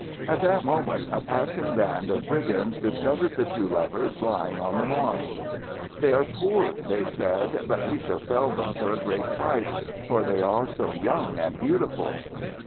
At that moment a passing band of brigands discovered the two lovers lying on the moss. "They are poor," they said, "but we shall sell them for a great price, for they are so young and beautiful."